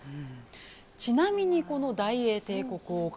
ちなみにこの大英帝国王冠